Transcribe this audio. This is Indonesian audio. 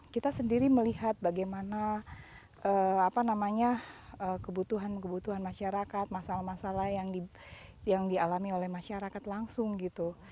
kita sendiri melihat bagaimana kebutuhan kebutuhan masyarakat masalah masalah yang dialami oleh masyarakat langsung gitu